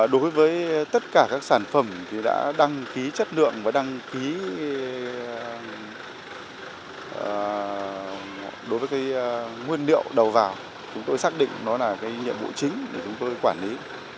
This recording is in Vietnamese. đối với tất cả các sản phẩm thì đã đăng ký chất lượng và đăng ký đối với nguyên liệu đầu vào chúng tôi xác định nó là nhiệm vụ chính để chúng tôi quản lý